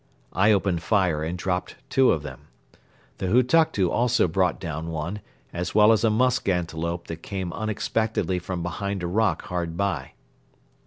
I opened fire and dropped two of them. The Hutuktu also brought down one as well as a musk antelope that came unexpectedly from behind a rock hard by.